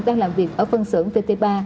đang làm việc ở phân xưởng tt ba